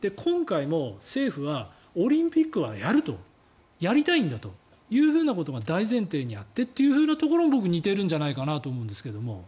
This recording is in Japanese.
今回も政府はオリンピックはやるとやりたいんだというふうなことが大前提にあってということも僕、似てるんじゃないかなと思うんですけど。